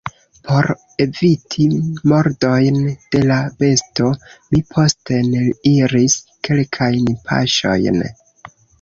Por eviti mordojn de la besto, mi posten iris kelkajn paŝojn.